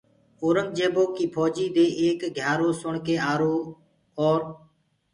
اورنٚگجيبو ڪيٚ ڦوجيٚ دي ايڪ گھيآرو سُڻ ڪي آرو اور